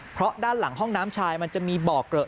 เพราะด้านหลังห้องน้ำชายมันจะมีบ่อเกลอะ